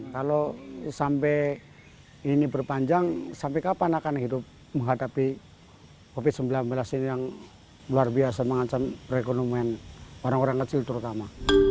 kapan akan hidup menghadapi covid sembilan belas ini yang luar biasa mengancam perekonomian orang orang kecil terutama